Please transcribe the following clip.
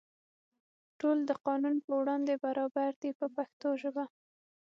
ټول د قانون په وړاندې برابر دي په پښتو ژبه.